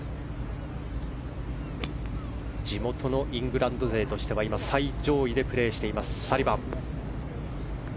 地元のイングランド勢としては今、最上位でプレーしているサリバン。